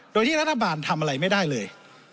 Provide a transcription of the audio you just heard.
โดยที่รัฐบาลทำอะไรไม่ได้เลย